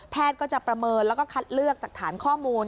ก็จะประเมินแล้วก็คัดเลือกจากฐานข้อมูล